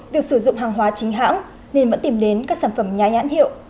việc sử dụng hàng hóa chính hãng nên vẫn tìm đến các sản phẩm nhái nhãn hiệu